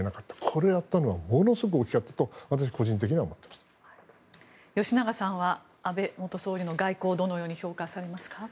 これをやったのはものすごく大きかったと吉永さんは安倍元総理の外交をどのように評価されますか？